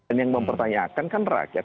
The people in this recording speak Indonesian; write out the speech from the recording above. dan yang mempertanyakan kan rakyat